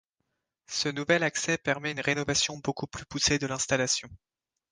Ce nouvel accès permet une rénovation beaucoup plus poussée de l’installation.